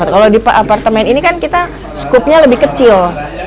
kalau di apartemen ini kan kita skupnya lebih kecil